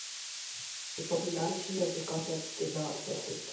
The popularity of the concept did not persist.